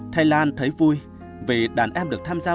thái lan thấy vui vì đàn em được tham gia